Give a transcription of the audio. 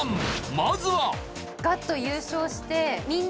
まずは。